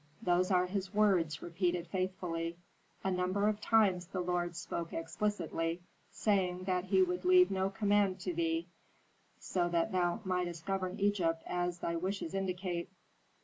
"Those are his words repeated faithfully. A number of times the lord spoke explicitly, saying that he would leave no command to thee, so that thou mightst govern Egypt as thy wishes indicate."